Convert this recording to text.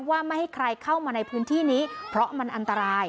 ไม่ให้ใครเข้ามาในพื้นที่นี้เพราะมันอันตราย